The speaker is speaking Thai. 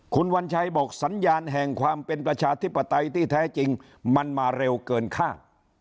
คุณวัญชัยบอกสัญญาณแห่งความเป็นประชาธิปไตยที่แท้จริงมันมาเร็วเกินคาด